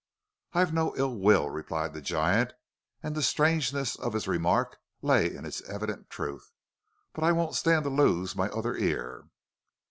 "I've no ill will," replied the giant, and the strangeness of his remark lay in its evident truth. "But I won't stand to lose my other ear!"